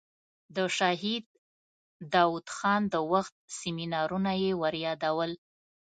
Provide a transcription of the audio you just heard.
د شهید داود خان د وخت سیمینارونه یې وریادول.